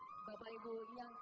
sangat rehat dan berhentian istri